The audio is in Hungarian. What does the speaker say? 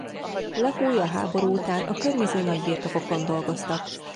Lakói a háború után a környező nagybirtokokon dolgoztak.